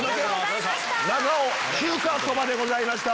長尾中華そばでございました。